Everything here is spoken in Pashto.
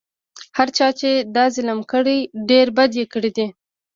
هر چا چې دا ظلم کړی ډېر بد یې کړي دي.